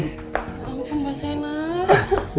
ya ampun mbak sienna